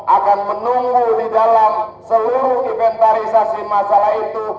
akan menunggu di dalam seluruh inventarisasi masalah itu